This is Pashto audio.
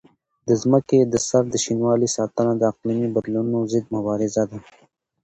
د ځمکې د سر د شینوالي ساتنه د اقلیمي بدلونونو ضد مبارزه ده.